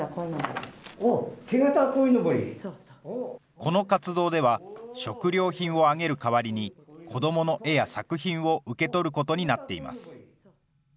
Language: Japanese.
この活動では、食料品をあげる代わりに、子どもの絵や作品を受け取ることになっています。